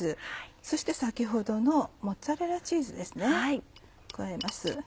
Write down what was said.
そして先ほどのモッツァレラチーズを加えます。